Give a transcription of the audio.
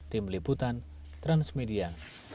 tim liputan transmedia